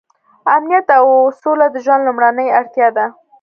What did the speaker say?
امنیت او سوله د ژوند لومړنۍ اړتیا ده.